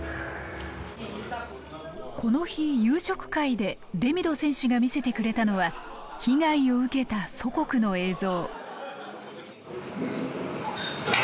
この日夕食会でデミド選手が見せてくれたのは被害を受けた祖国の映像。